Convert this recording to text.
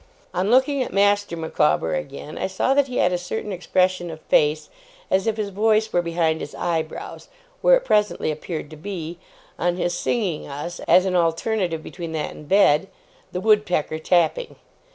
On looking at Master Micawber again, I saw that he had a certain expression of face, as if his voice were behind his eyebrows; where it presently appeared to be, on his singing us (as an alternative between that and bed) 'The Wood Pecker tapping'.